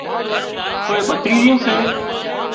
ڪوئي ڀتريزيون سي